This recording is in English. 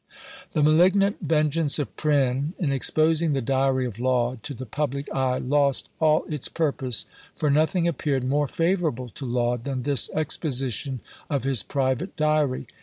The malignant vengeance of Prynne in exposing the diary of Laud to the public eye, lost all its purpose, for nothing appeared more favourable to Laud than this exposition of his private diary.